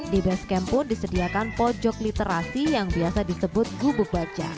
di base camp pun disediakan pojok literasi yang biasa disebut gubuk baca